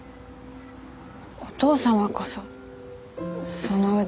お父様こそその腕。